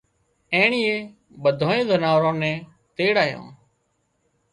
اينڻيئي ٻڌانئي زناوران نين تيڙايان